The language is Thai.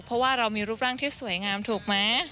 เพราะว่าเรามีรูปร่างที่สวยงามถูกไหม